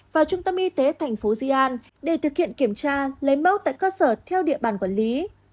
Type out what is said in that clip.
và trung tâm y tế tp gian để thực hiện kiểm tra lấy mẫu tại cơ sở theo địa bàn quản lý